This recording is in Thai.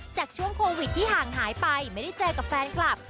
ช่วงโควิดที่ห่างหายไปไม่ได้เจอกับแฟนคลับ